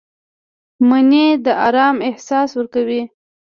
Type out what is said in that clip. مني د آرام احساس ورکوي